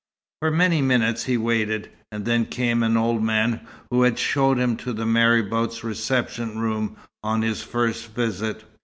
For many minutes he waited; and then came an old man who had showed him to the marabout's reception room on his first visit.